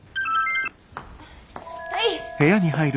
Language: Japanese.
はい。